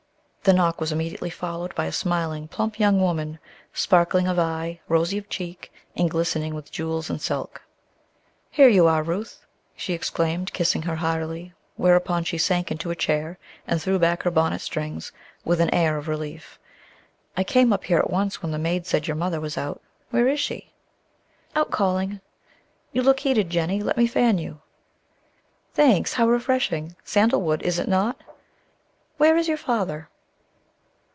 The knock was immediately followed by a smiling, plump young woman, sparkling of eye, rosy of cheek, and glistening with jewels and silk. "Here you are, Ruth," she exclaimed, kissing her heartily; whereupon she sank into a chair, and threw back her bonnet strings with an air of relief. "I came up here at once when the maid said your mother was out. Where is she?" "Out calling. You look heated, Jennie; let me fan you." "Thanks. How refreshing! Sandal wood, is it not? Where is your father?"